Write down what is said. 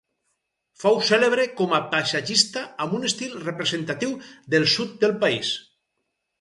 Fou cèlebre com a paisatgista amb un estil representatiu del sud del país.